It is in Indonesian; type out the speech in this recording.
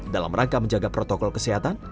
dalam rangka menjaga protokol kesehatan